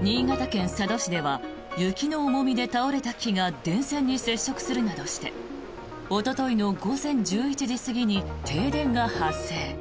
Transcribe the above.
新潟県佐渡市では雪の重みで倒れた木が電線に接触するなどしておとといの午前１１時過ぎに停電が発生。